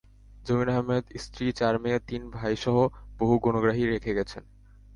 জমির আহমেদ স্ত্রী, চার মেয়ে, তিন ভাইসহ বহু গুণগ্রাহী রেখে গেছেন।